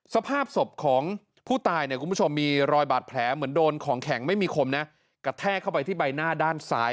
สภาพศพของผู้ตายมีรอยบาดแผลเหมือนโดนของแข็งไม่มีขมกระแทกเข้าไปที่ใบหน้าด้านซ้าย